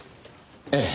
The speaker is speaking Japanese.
ええ。